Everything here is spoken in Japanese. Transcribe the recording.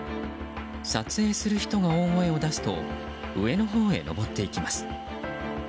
撮影する人が大声を出すと上のほうへ上っていきます。